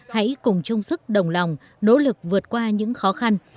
hãy cùng chung sức đồng lòng nỗ lực vượt qua những khó khăn